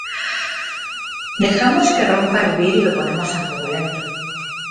Dejamos que rompa a hervir y lo ponemos a fuego lento.